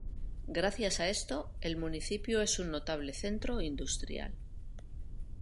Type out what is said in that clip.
Gracias a esto el municipio es un notable centro industrial.